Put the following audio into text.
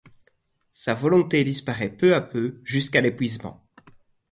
Sa volonté disparaît peu à peu jusqu'à l'épuisement.